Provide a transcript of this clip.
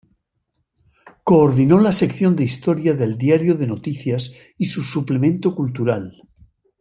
Coordinó la sección de Historia del Diário de Notícias y su suplemento cultural.